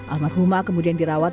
almarhumah kemudian dirawat